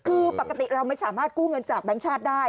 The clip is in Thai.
คือปกติเราไม่สามารถกู้เงินจากแบงค์ชาติได้